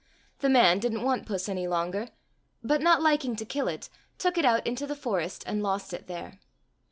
The man didn't want puss any longer, but not liking to kill it, took it out into the forest and lost it there.